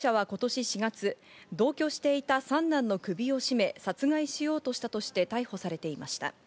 小玉容疑者は今年４月、同居していた三男の首を絞め殺害しようとしたとして逮捕されていました。